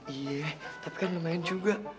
iya tapi kan lumayan juga